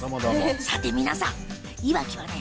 皆さん、いわきはね